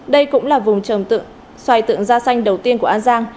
đây cũng là vùng trồng xoài tượng da xanh đầu tiên của an giang